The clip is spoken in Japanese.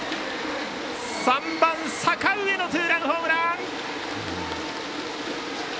３番、阪上のツーランホームラン！